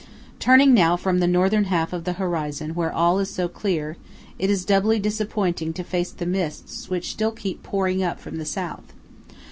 Turning now from the Northern half of the horizon where all is so clear, it is doubly disappointing to face the mists which still keep pouring up from the South.